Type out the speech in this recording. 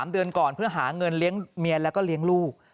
๓เดือนก่อนเพื่อหาเงินเลี้ยงเมียแล้วก็เลี้ยงลูก